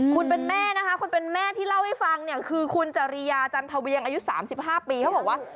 คุณเป็นแม่นะคะคุณเป็นแม่ที่เล่าให้ฟังเนี่ยคือคุณจริยาจันทเวียงอายุ๓๕ปีเขาบอกว่า